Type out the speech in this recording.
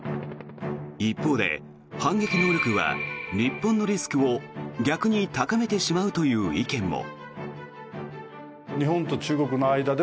一方で、反撃能力は日本のリスクを逆に高めてしまうという意見も。